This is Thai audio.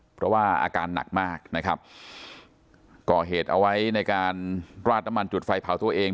เพราะว่าอาการหนักมากนะครับก่อเหตุเอาไว้ในการราดน้ำมันจุดไฟเผาตัวเอง